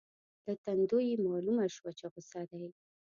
له تندو یې مالومه شوه چې غصه دي.